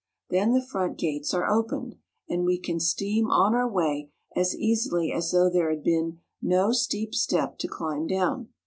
Then the front gates are opened, and we can steam on our way as easily as though there had been no steep step to climb down.